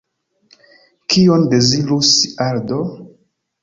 Kion dezirus Aldo?